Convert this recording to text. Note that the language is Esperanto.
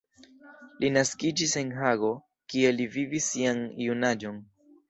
Li naskiĝis en Hago, kie li vivis sian junaĝon.